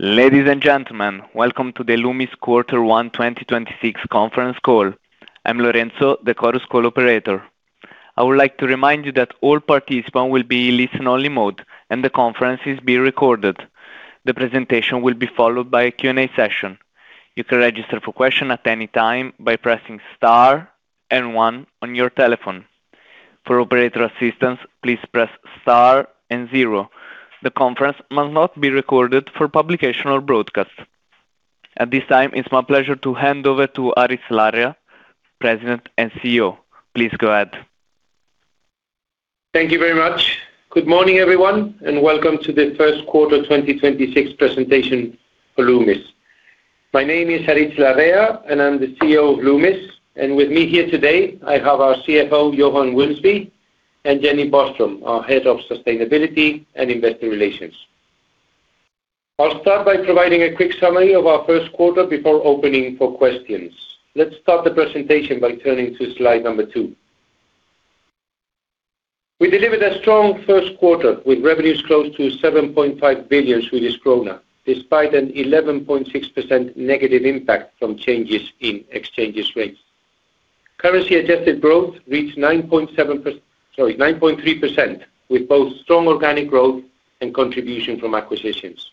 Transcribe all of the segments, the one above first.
Ladies and gentlemen, welcome to the Loomis quarter one 2026 conference call. I'm Lorenzo, the Chorus Call operator. I would like to remind you that all participants will be in listen only mode and the conference is being recorded. The presentation will be followed by a Q&A session. You can register for question at any time by pressing star and one on your telephone. For operator assistance, please press star and zero. The conference must not be recorded for publication or broadcast. At this time, it's my pleasure to hand over to Aritz Larrea, President and CEO. Please go ahead. Thank you very much. Good morning, everyone, and welcome to the first quarter 2026 presentation for Loomis. My name is Aritz Larrea, and I'm the CEO of Loomis, and with me here today I have our CFO, Johan Wilsby and Jenny Boström, our Head of Sustainability and Investor Relations. I'll start by providing a quick summary of our first quarter before opening for questions. Let's start the presentation by turning to slide number two. We delivered a strong first quarter with revenues close to 7.5 billion Swedish krona despite an 11.6% negative impact from changes in exchange rates. Currency-adjusted growth reached 9.3% with both strong organic growth and contribution from acquisitions.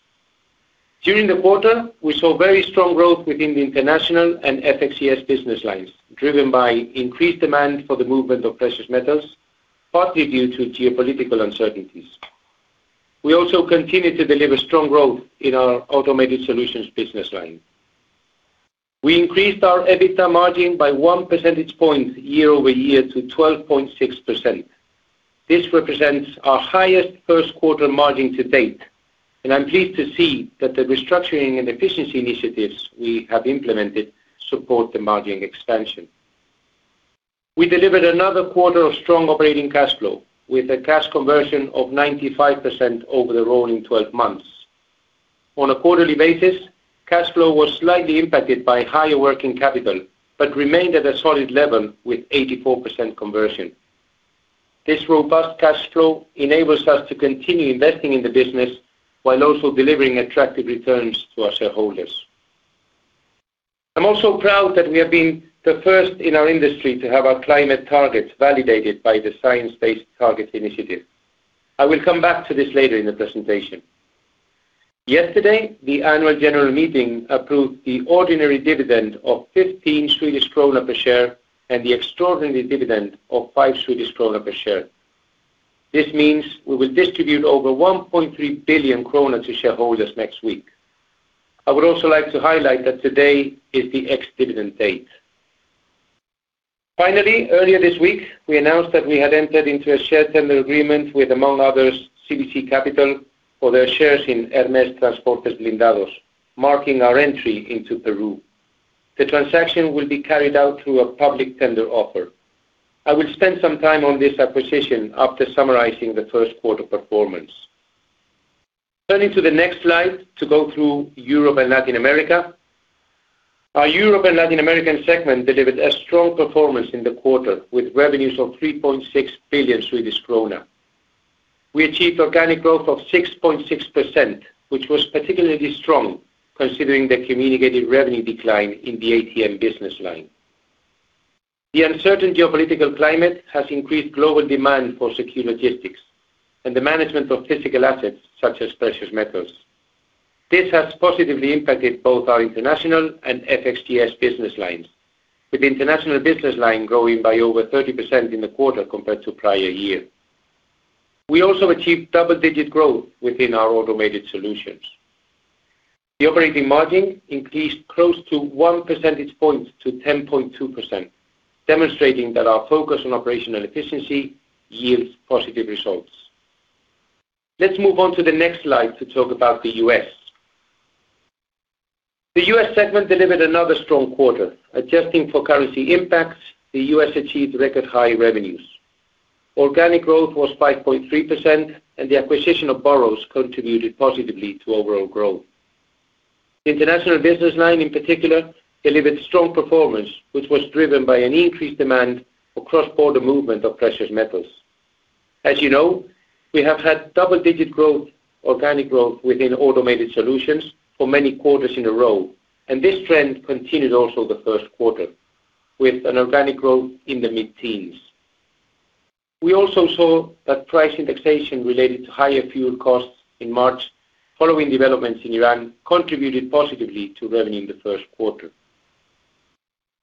During the quarter, we saw very strong growth within the international and FX business lines, driven by increased demand for the movement of precious metals, partly due to geopolitical uncertainties. We also continued to deliver strong growth in our Automated Solutions business line. We increased our EBITDA margin by 1 percentage point year-over-year to 12.6%. This represents our highest first quarter margin to date, and I'm pleased to see that the restructuring and efficiency initiatives we have implemented support the margin expansion. We delivered another quarter of strong operating cash flow with a cash conversion of 95% over the rolling 12 months. On a quarterly basis, cash flow was slightly impacted by higher working capital but remained at a solid level with 84% conversion. This robust cash flow enables us to continue investing in the business while also delivering attractive returns to our shareholders. I am also proud that we have been the first in our industry to have our climate targets validated by the Science Based Targets initiative. I will come back to this later in the presentation. Yesterday, the annual general meeting approved the ordinary dividend of 15 Swedish krona per share and the extraordinary dividend of 5 Swedish krona per share. This means we will distribute over 1.3 billion krona to shareholders next week. I would also like to highlight that today is the ex-dividend date. Finally, earlier this week, we announced that we had entered into a share tender agreement with among others CVC Capital for their shares in Hermes Transportes Blindados, marking our entry into Peru. The transaction will be carried out through a public tender offer. I will spend some time on this acquisition after summarizing the first quarter performance. Turning to the next slide to go through Europe and Latin America. Our Europe and Latin American segment delivered a strong performance in the quarter with revenues of 3.6 billion Swedish krona. We achieved organic growth of 6.6%, which was particularly strong considering the communicated revenue decline in the ATM business line. The uncertain geopolitical climate has increased global demand for secure logistics and the management of physical assets such as precious metals. This has positively impacted both our international and FX business lines with international business line growing by over 30% in the quarter compared to prior year. We also achieved double-digit growth within our Automated Solutions. The operating margin increased close to 1 percentage point to 10.2%, demonstrating that our focus on operational efficiency yields positive results. Let's move on to the next slide to talk about the U.S. The U.S. segment delivered another strong quarter. Adjusting for currency impacts, the U.S. achieved record high revenues. Organic growth was 5.3%, and the acquisition of Burroughs contributed positively to overall growth. The international business line in particular delivered strong performance, which was driven by an increased demand for cross-border movement of precious metals. As you know, we have had double-digit growth, organic growth within Automated Solutions for many quarters in a row, and this trend continued also the first quarter with an organic growth in the mid-teens. We also saw that price indexation related to higher fuel costs in March following developments in Iran contributed positively to revenue in the first quarter.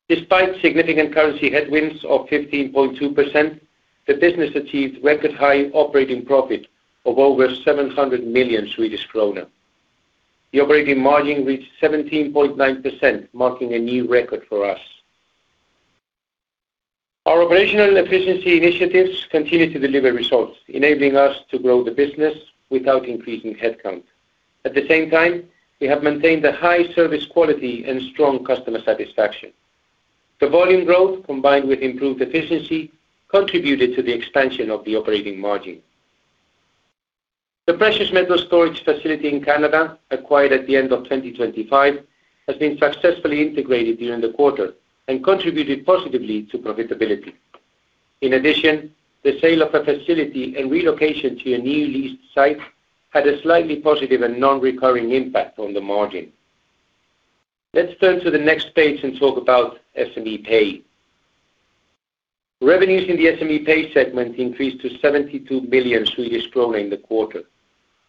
Despite significant currency headwinds of 15.2%, the business achieved record high operating profit of over 700 million Swedish kronor. The operating margin reached 17.9% marking a new record for us. Our operational efficiency initiatives continue to deliver results, enabling us to grow the business without increasing headcount. At the same time, we have maintained a high service quality and strong customer satisfaction. The volume growth, combined with improved efficiency, contributed to the expansion of the operating margin. The precious metal storage facility in Canada, acquired at the end of 2025, has been successfully integrated during the quarter and contributed positively to profitability. In addition, the sale of a facility and relocation to a new leased site had a slightly positive and non-recurring impact on the margin. Let's turn to the next page and talk about SME Pay. Revenues in the SME Pay segment increased to 72 billion Swedish kronor in the quarter.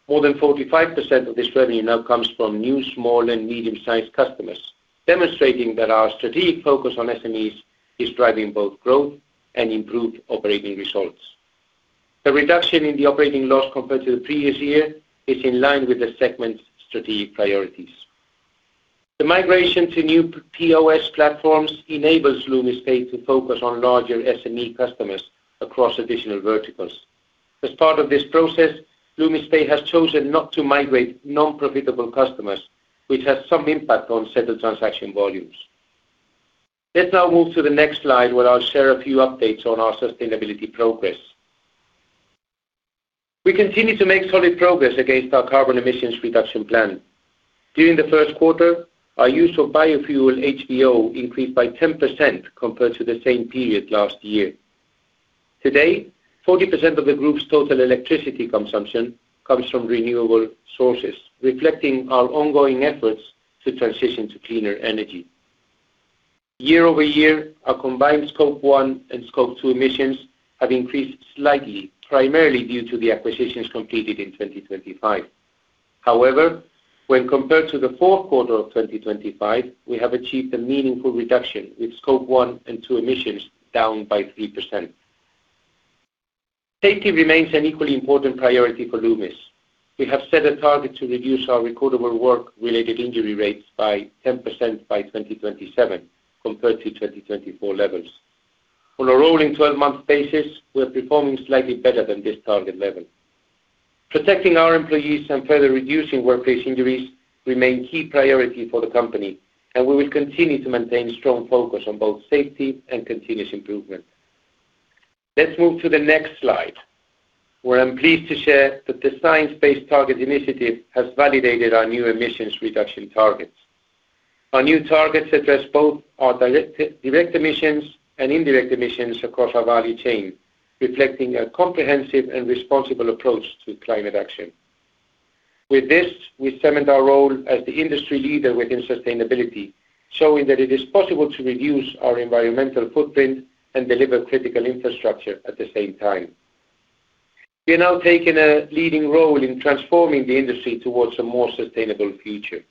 More than 45% of this revenue now comes from new small and medium-sized customers, demonstrating that our strategic focus on SMEs is driving both growth and improved operating results. The reduction in the operating loss compared to the previous year is in line with the segment's strategic priorities. The migration to new POS platforms enables Loomis Pay to focus on larger SME customers across additional verticals. As part of this process, Loomis Pay has chosen not to migrate non-profitable customers, which has some impact on settled transaction volumes. Let's now move to the next slide, where I'll share a few updates on our sustainability progress. We continue to make solid progress against our carbon emissions reduction plan. During the first quarter, our use of biofuel HVO increased by 10% compared to the same period last year. Today, 40% of the group's total electricity consumption comes from renewable sources, reflecting our ongoing efforts to transition to cleaner energy. Year-over-year, our combined Scope 1 and Scope 2 emissions have increased slightly, primarily due to the acquisitions completed in 2025. However, when compared to the fourth quarter of 2025, we have achieved a meaningful reduction, with Scope 1 and 2 emissions down by 3%. Safety remains an equally important priority for Loomis. We have set a target to reduce our recordable work-related injury rates by 10% by 2027 compared to 2024 levels. On a rolling 12-month basis, we're performing slightly better than this target level. Protecting our employees and further reducing workplace injuries remain key priority for the company, and we will continue to maintain strong focus on both safety and continuous improvement. Let's move to the next slide, where I'm pleased to share that the Science Based Targets initiative has validated our new emissions reduction targets. Our new targets address both our direct emissions and indirect emissions across our value chain, reflecting a comprehensive and responsible approach to climate action. With this, we cement our role as the industry leader within sustainability, showing that it is possible to reduce our environmental footprint and deliver critical infrastructure at the same time. We are now taking a leading role in transforming the industry towards a more sustainable future.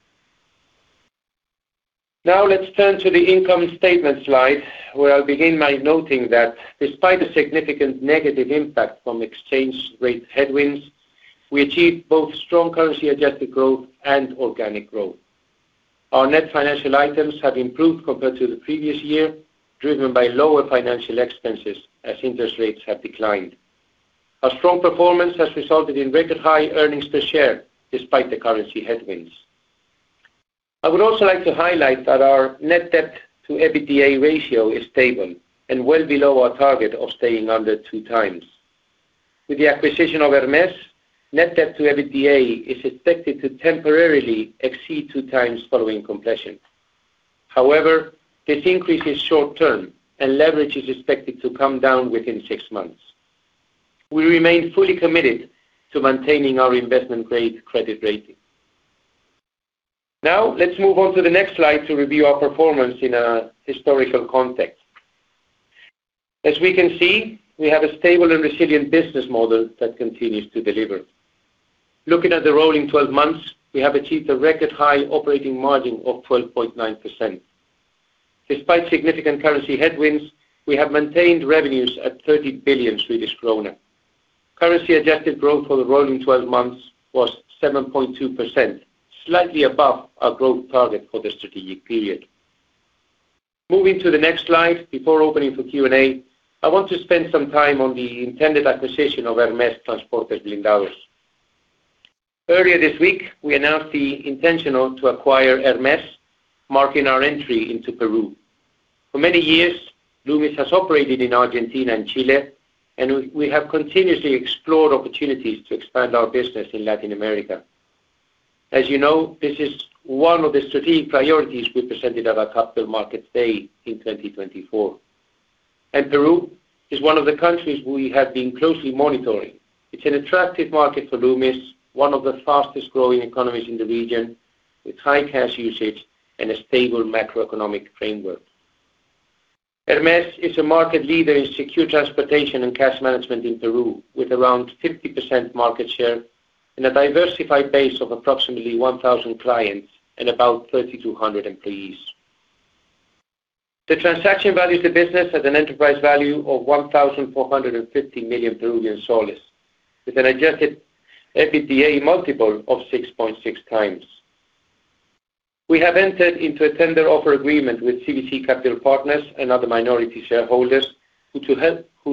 Now let's turn to the income statement slide, where I'll begin by noting that despite a significant negative impact from exchange rate headwinds, we achieved both strong currency-adjusted growth and organic growth. Our net financial items have improved compared to the previous year, driven by lower financial expenses as interest rates have declined. Our strong performance has resulted in record high earnings per share despite the currency headwinds. I would also like to highlight that our net debt to EBITDA ratio is stable and well below our target of staying under 2x. With the acquisition of Hermes, net debt to EBITDA is expected to temporarily exceed 2x following completion. However, this increase is short-term, and leverage is expected to come down within six months. We remain fully committed to maintaining our investment-grade credit rating. Let's move on to the next slide to review our performance in a historical context. We can see, we have a stable and resilient business model that continues to deliver. Looking at the rolling 12 months, we have achieved a record high operating margin of 12.9%. Despite significant currency headwinds, we have maintained revenues at 30 billion Swedish krona. Currency-adjusted growth for the rolling 12 months was 7.2%, slightly above our growth target for the strategic period. Moving to the next slide before opening for Q&A, I want to spend some time on the intended acquisition of Hermes Transportes Blindados. Earlier this week, we announced the intention to acquire Hermes, marking our entry into Peru. For many years, Loomis has operated in Argentina and Chile. We have continuously explored opportunities to expand our business in Latin America. As you know, this is one of the strategic priorities we presented at our Capital Markets Day in 2024. Peru is one of the countries we have been closely monitoring. It's an attractive market for Loomis, one of the fastest-growing economies in the region, with high cash usage and a stable macroeconomic framework. Hermes is a market leader in secure transportation and cash management in Peru, with around 50% market share and a diversified base of approximately 1,000 clients and about 3,200 employees. The transaction values the business at an enterprise value of PEN 1,450 million, with an adjusted EBITDA multiple of 6.6x. We have entered into a tender offer agreement with CVC Capital Partners and other minority shareholders who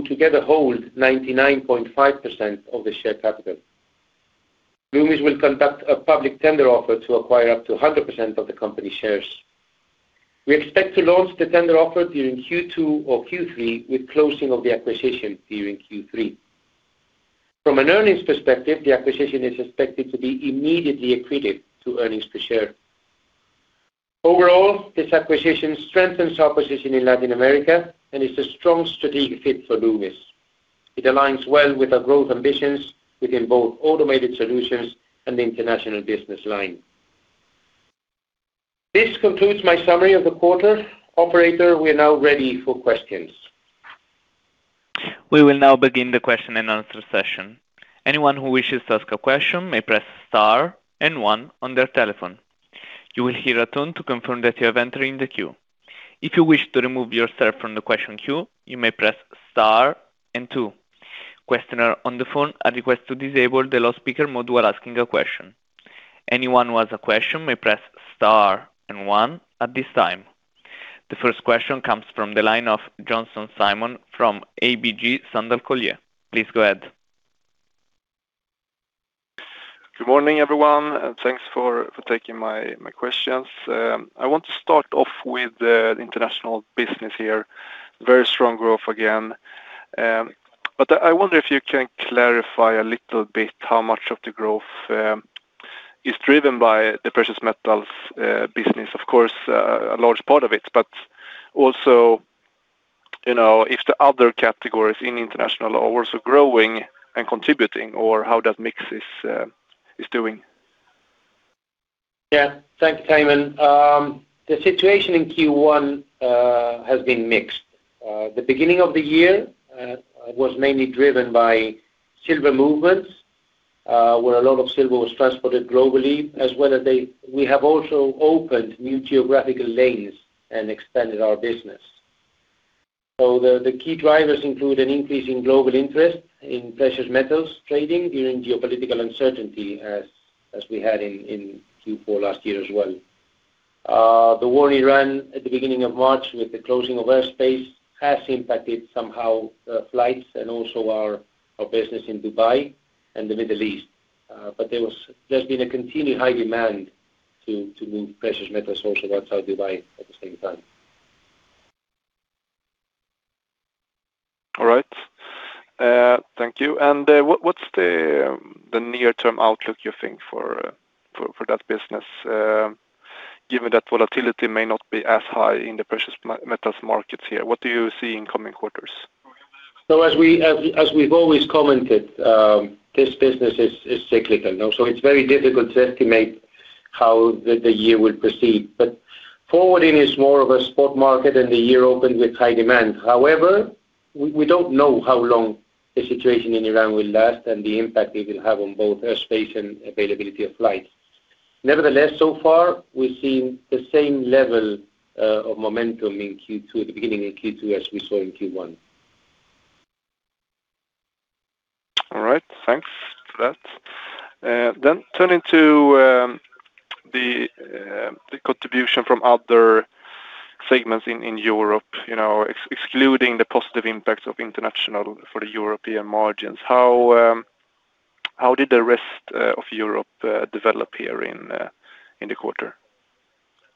together hold 99.5% of the share capital. Loomis will conduct a public tender offer to acquire up to 100% of the company shares. We expect to launch the tender offer during Q2 or Q3, with closing of the acquisition during Q3. From an earnings perspective, the acquisition is expected to be immediately accretive to earnings per share. Overall, this acquisition strengthens our position in Latin America and is a strong strategic fit for Loomis. It aligns well with our growth ambitions within both Automated Solutions and international business line. This concludes my summary of the quarter. Operator, we are now ready for questions. We will now begin the question-and-answer session. Anyone who wishes to ask a question may press star and one on their telephone. You will hear a tone to confirm that you have entered in the queue. If you wish to remove yourself from the question queue, you may press star and two. Questioners on the phone are requested to disable the loudspeaker mode while asking a question. Anyone who has a question may press star and one at this time. The first question comes from the line of Jönsson Simon from ABG Sundal Collier. Please go ahead. Good morning, everyone, and thanks for taking my questions. I want to start off with the international business here. Very strong growth again. I wonder if you can clarify a little bit how much of the growth is driven by the precious metals business. Of course, a large part of it, but also, you know, if the other categories in international are also growing and contributing or how that mix is doing? Thank you, Simon. The situation in Q1 has been mixed. The beginning of the year was mainly driven by silver movements, where a lot of silver was transported globally, as well as we have also opened new geographical lanes and expanded our business. The key drivers include an increase in global interest in precious metals trading during geopolitical uncertainty as we had in Q4 last year as well. The war in Iran at the beginning of March with the closing of airspace has impacted somehow flights and also our business in Dubai and the Middle East. There's been a continued high demand to move precious metal source outside Dubai at the same time. All right. Thank you. What's the near-term outlook you think for that business, given that volatility may not be as high in the precious metals markets here? What do you see in coming quarters? As we've always commented, this business is cyclical. Also it's very difficult to estimate how the year will proceed. Forwarding is more of a spot market and the year opens with high demand. However, we don't know how long the situation in Iran will last and the impact it will have on both airspace and availability of flights. Nevertheless, so far, we've seen the same level of momentum in Q2 at the beginning of Q2 as we saw in Q1. All right. Thanks for that. Turning to the contribution from other segments in Europe, you know, excluding the positive impacts of international for the European margins. How did the rest of Europe develop here in the quarter?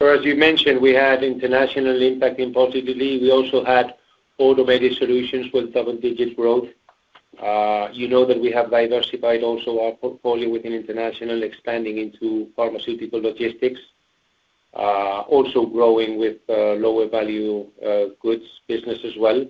Well, as you mentioned, we had international impact in positively. We also had Automated Solutions with double-digit growth. You know that we have diversified also our portfolio within international, expanding into pharmaceutical logistics, also growing with lower value goods business as well.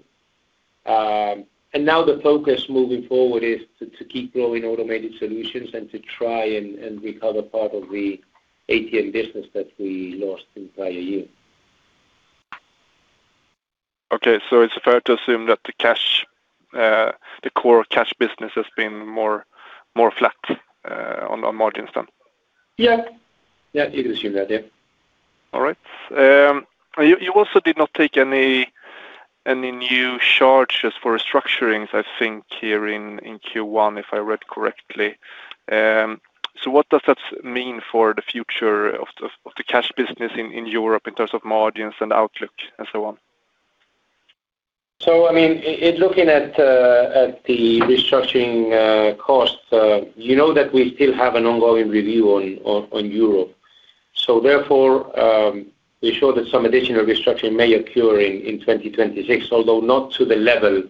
Now the focus moving forward is to keep growing Automated Solutions and to try and recover part of the ATM business that we lost in prior year. Okay. It's fair to assume that the cash, the core cash business has been more flat, on margins then? Yeah. Yeah, you can assume that. Yeah. All right. You also did not take any new charges for restructurings, I think, here in Q1, if I read correctly. What does that mean for the future of the cash business in Europe in terms of margins and outlook and so on? I mean, looking at the restructuring costs, you know that we still have an ongoing review on Europe. Therefore, we're sure that some additional restructuring may occur in 2026, although not to the level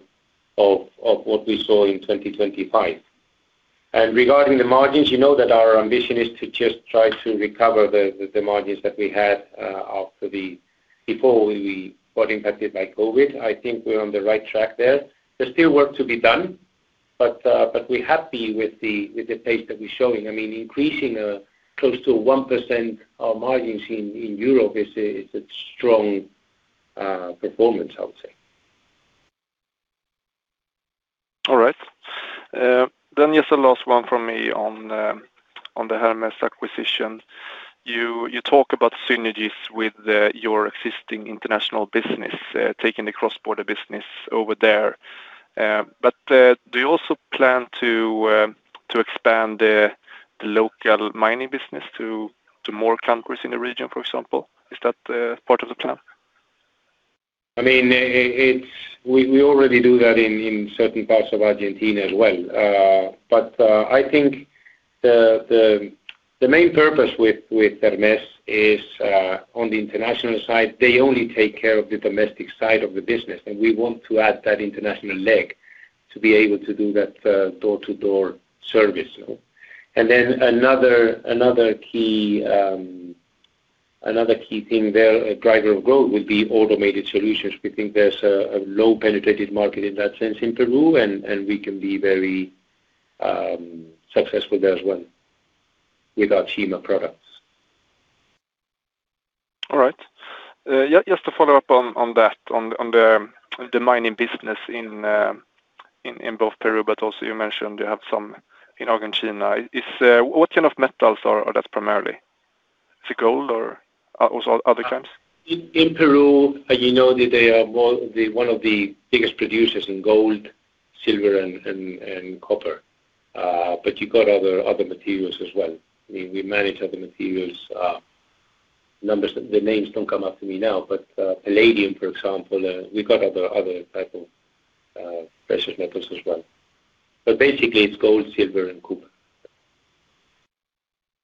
of what we saw in 2025. Regarding the margins, you know that our ambition is to just try to recover the margins that we had before we got impacted by COVID. I think we're on the right track there. There's still work to be done, but we're happy with the pace that we're showing. I mean, increasing close to 1% our margin in Europe is a strong performance, I would say. All right. Just the last one from me on the Hermes acquisition. You talk about synergies with your existing international business, taking the cross-border business over there. Do you also plan to expand the local cash management business to more countries in the region, for example? Is that part of the plan? I mean, we already do that in certain parts of Argentina as well. I think the main purpose with Hermes is on the international side, they only take care of the domestic side of the business, and we want to add that international leg to be able to do that door-to-door service. Another key thing there, a driver of growth will be Automated Solutions. We think there's a low penetrative market in that sense in Peru, and we can be very successful there as well with our CIMA products. All right. Just to follow up on that, on the mining business in both Peru, but also you mentioned you have some in Argentina. Is what kind of metals are that primarily? Is it gold or also other kinds? In Peru, you know that they are one of the biggest producers in gold, silver, and copper. You got other materials as well. We manage other materials, numbers that the names don't come up to me now, but palladium, for example. We got other type of precious metals as well. Basically it's gold, silver, and copper.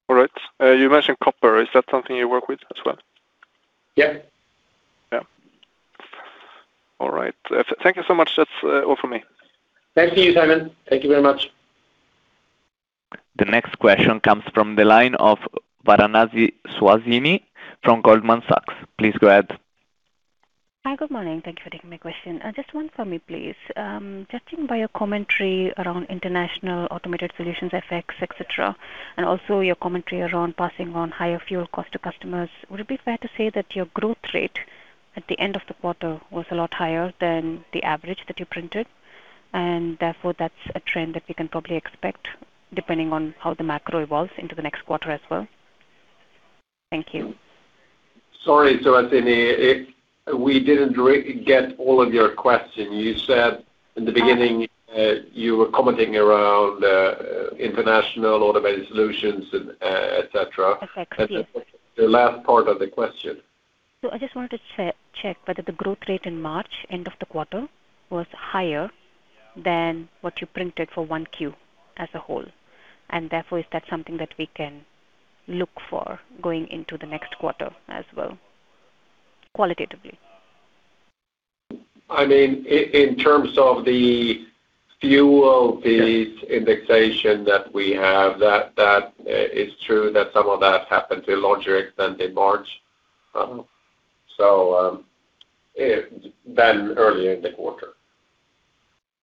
All right. You mentioned copper. Is that something you work with as well? Yeah. Yeah. All right. Thank you so much. That's all for me. Thanks to you, Simon. Thank you very much. The next question comes from the line of Varanasi Suhasini from Goldman Sachs. Please go ahead. Hi. Good morning. Thank you for taking my question. Just one for me, please. Judging by your commentary around international Automated Solutions, FX, et cetera, and also your commentary around passing on higher fuel cost to customers, would it be fair to say that your growth rate at the end of the quarter was a lot higher than the average that you printed, and therefore that's a trend that we can probably expect depending on how the macro evolves into the next quarter as well? Thank you. Sorry, Suhasini, we didn't get all of your question. You said in the beginning. Oh. You were commenting around international Automated Solutions and et cetera. FX, yes. The last part of the question. I just wanted to check whether the growth rate in March, end of the quarter, was higher than what you printed for 1Q as a whole, and therefore is that something that we can look for going into the next quarter as well qualitatively? I mean, in terms of the fuel fees. Indexation that we have, that, is true that some of that happened to a larger extent in March. Then earlier in the quarter.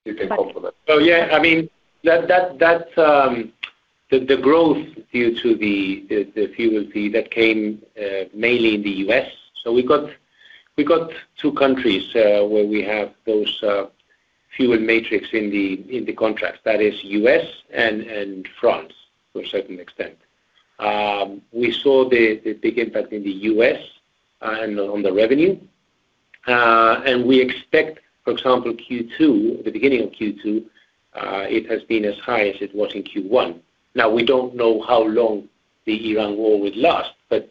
You can complement. Yeah, I mean, that, that's the growth due to the fuel fee that came mainly in the U.S. We got two countries where we have those fuel matrix in the contract. That is U.S. and France to a certain extent. We saw the big impact in the U.S. and on the revenue. We expect, for example, Q2, the beginning of Q2, it has been as high as it was in Q1. Now, we don't know how long the Iran war would last, but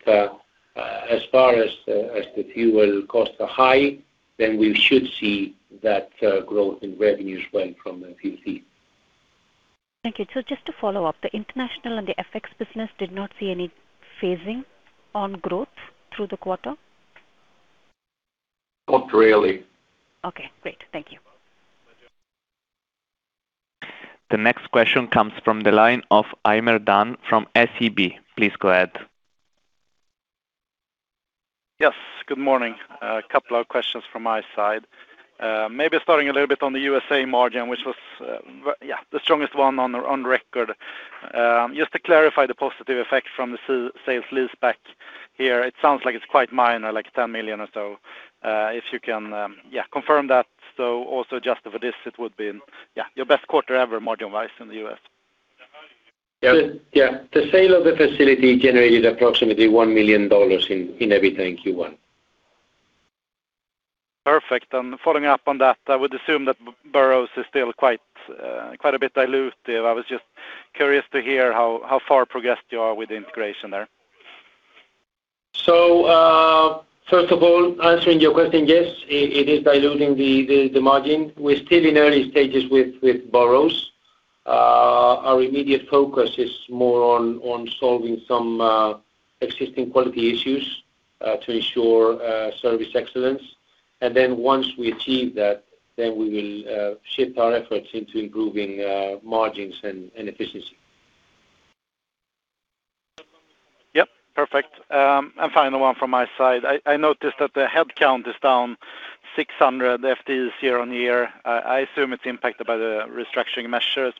as far as the fuel costs are high, then we should see that growth in revenues going from the fuel fees. Thank you. Just to follow up, the international and the FX business did not see any phasing on growth through the quarter? Not really. Okay, great. Thank you. The next question comes from the line of Heimer Dan from SEB. Please go ahead. Yes, good morning. A couple of questions from my side. Maybe starting a little bit on the USA margin, which was, yeah, the strongest one on record. Just to clarify the positive effect from the sale-leaseback here, it sounds like it's quite minor, like $10 million or so. If you can, yeah, confirm that. Also adjusted for this, it would be, yeah, your best quarter ever margin-wise in the U.S? Yeah. The- Yeah. The sale of the facility generated approximately $1 million in EBITDA in Q1. Perfect. Following up on that, I would assume that Burroughs is still quite a bit dilutive. I was just curious to hear how far progressed you are with the integration there? First of all, answering your question, yes, it is diluting the margin. We're still in early stages with Burroughs. Our immediate focus is more on solving some existing quality issues to ensure service excellence. Once we achieve that, then we will shift our efforts into improving margins and efficiency. Yep, perfect. Final one from my side. I noticed that the headcount is down 600 FTEs year-on-year. I assume it's impacted by the restructuring measures,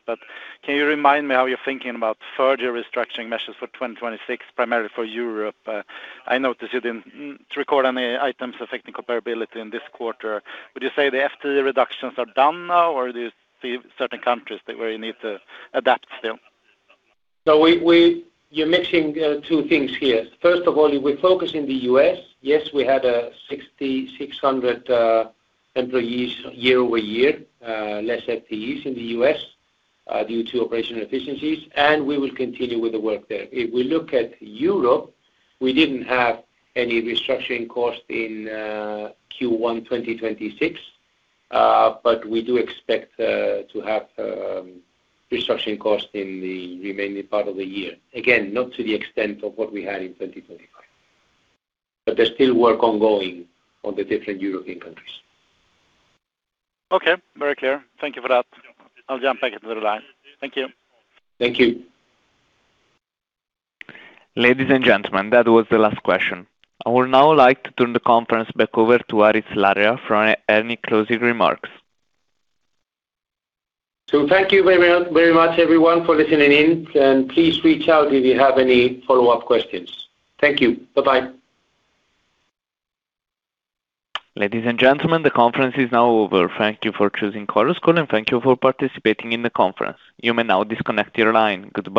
can you remind me how you're thinking about further restructuring measures for 2026, primarily for Europe? I notice you didn't record any items affecting comparability in this quarter. Would you say the FTE reductions are done now, or do you see certain countries that where you need to adapt still? You're mixing two things here. First of all, if we focus in the U.S., yes, we had 600 employees year-over-year, less FTEs in the U.S., due to operational efficiencies, and we will continue with the work there. If we look at Europe, we didn't have any restructuring cost in Q1 2026, but we do expect to have restructuring costs in the remaining part of the year. Again, not to the extent of what we had in 2025. There's still work ongoing on the different European countries. Okay, very clear. Thank you for that. I'll jump back into the line. Thank you. Thank you. Ladies and gentlemen, that was the last question. I would now like to turn the conference back over to Aritz Larrea for any closing remarks. Thank you very much everyone for listening in, and please reach out if you have any follow-up questions. Thank you. Bye-bye. Ladies and gentlemen, the conference is now over. Thank you for choosing Chorus Call and thank you for participating in the conference. You may now disconnect your line. Goodbye.